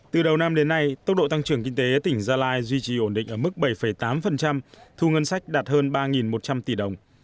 từ đầu năm đến nay tốc độ tăng trưởng kinh tế tỉnh gia lai duy trì ổn định ở mức bảy tám thu ngân sách đạt hơn ba một trăm linh tỷ đồng